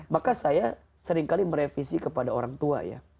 maka saya seringkali merevisi kepada orang tua ya